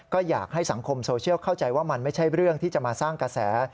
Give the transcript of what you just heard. ก็อยากให้สังคมโซเชียลเข้าใจว่ามันไม่ใช่เรื่องที่จะมาสร้างกระแส